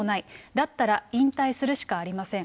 だったら引退するしかありません。